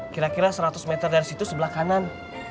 kira kira seratus meter dari situ sebelah kanan